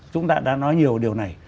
chúng ta đã nói nhiều điều này